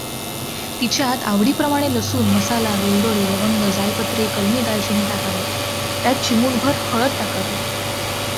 तिच्यात आवडीप्रमाणे लसूण, मसाला, वेलदोडे लवंग, जायपत्री, कलमी दालचिनी, टाकावे त्यात चिमूटभर हळद टाकावी.